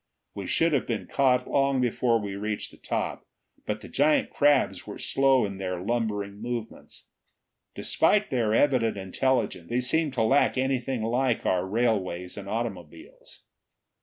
We should have been caught long before we reached the top, but the giant crabs were slow in their lumbering movements. Despite their evident intelligence, they seemed to lack anything like our railways and automobiles.